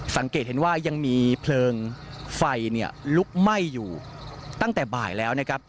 สังเกตเห็นว่ายังมีเพลิงไฟเนี่ยลุกไหม้อยู่ตั้งแต่บ่ายแล้วนะครับ